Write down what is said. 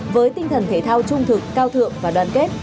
với tinh thần thể thao trung thực cao thượng và đoàn kết